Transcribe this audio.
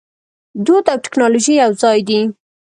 دود او ټیکنالوژي یوځای دي.